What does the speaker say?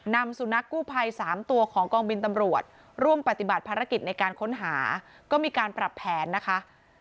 นำสุนัขกู้ภัย๓ตัวของกองบินตำรวจร่วมปฏิบัติภารกิจในการค้นหาก็มีการปรับแผนนะคะ